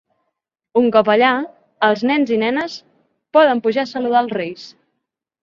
Un cop allà, els nens i nenes poden pujar a saludar els Reis.